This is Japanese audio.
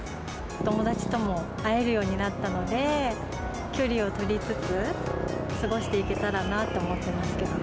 お友達とも会えるようになったので、距離を取りつつ、過ごしていけたらなって思ってますけど。